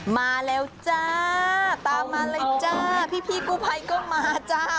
มาแล้วจ้าตามมาเลยจ้าพี่กู้ภัยก็มาจ้า